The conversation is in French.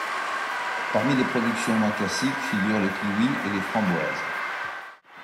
Parmi les productions moins classiques figurent le kiwi et les framboises.